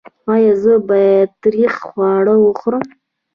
ایا زه باید تریخ خواړه وخورم؟